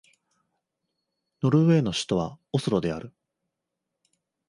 ノルウェーの首都はオスロである